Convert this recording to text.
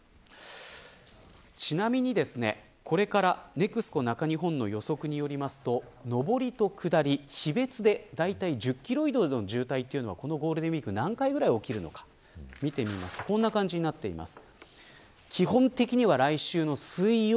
ちなみにですね、これからＮＥＸＣＯ中日本の予測によると上りと下り日別でだいたい１０キロ以上の渋滞はこのゴールデンウイーク何回ぐらい起きるのか見てみるとこんな感じになっています。